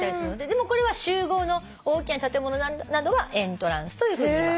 でもこれは集合の大きな建物などは「エントランス」というふうに。